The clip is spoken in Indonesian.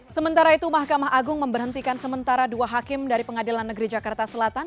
sementara itu mahkamah agung memberhentikan sementara dua hakim dari pengadilan negeri jakarta selatan